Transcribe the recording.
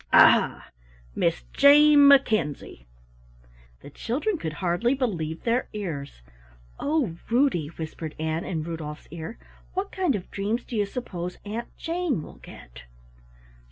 Aha Miss Jane Mackenzie!" The children could hardly believe their ears. "Oh, Ruddy," whispered Ann in Rudolf's ear, "what kind of dreams do you suppose Aunt Jane will get?"